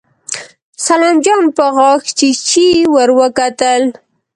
سلام جان په غاښچيچي ور وکتل.